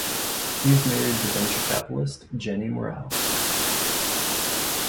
He is married to venture capitalist Jenny Morel.